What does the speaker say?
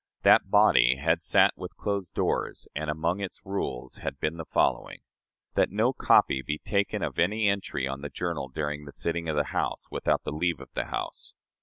That body had sat with closed doors, and among its rules had been the following: "That no copy be taken of any entry on the journal during the sitting of the House, without the leave of the House.